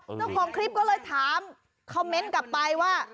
เจ้าของคลิปก็เลยถามคอมเมนต์กลับไปว่า